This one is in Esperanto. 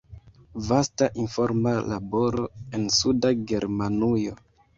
Vasta informa laboro en Suda Germanujo.